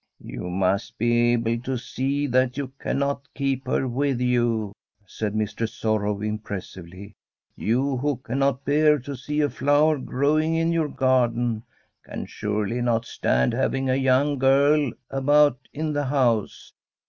* You must be able to see that you cannot keep her with you,' said Mistress Sorrow im pressively. * You, who cannot bear to see a flower growing in your garden, can surely not stand having a young girl about in the house.